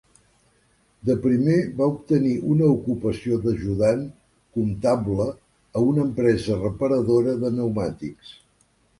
De primer, va obtenir una ocupació d'ajudant comptable a una empresa reparadora de pneumàtics.